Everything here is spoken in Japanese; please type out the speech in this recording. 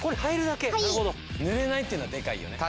なるほどぬれないっていうのはでかいよね